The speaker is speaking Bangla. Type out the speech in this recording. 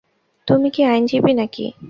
তুমি কি, আইনজীবী নাকি?